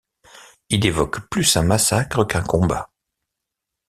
Il évoque plus un massacre qu'un combat.